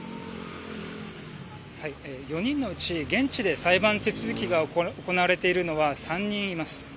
４人のうち現地で裁判手続きが行われているのは３人います。